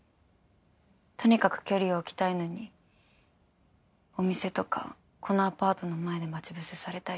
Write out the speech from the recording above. とにかく距離を置きたいのにお店とかこのアパートの前で待ち伏せされたり。